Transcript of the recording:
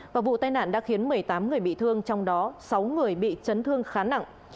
và vụ tai nạn đã khiến một mươi tám người bị thương trong đó sáu người bị chấn thương khá nặng